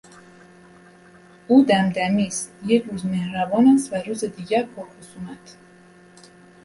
او دمدمی است، یک روز مهربان است و روز دیگر پر خصومت.